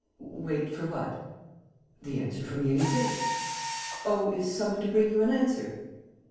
"Wait for what?" "The answer from the Élysée." "Oh, is some one to bring you an answer?"